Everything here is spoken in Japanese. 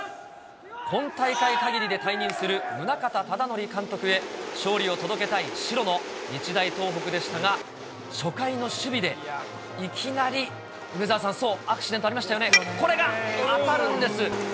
今大会かぎりで退任する宗像ただのり監督へ、勝利を届けたい白の日大東北でしたが、初回の守備でいきなり、梅澤さん、そう、アクシデントありましたよね、これが当たるんです。